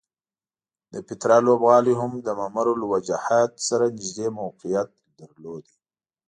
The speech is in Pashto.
د پیترا لوبغالی هم د ممر الوجحات سره نږدې موقعیت درلود.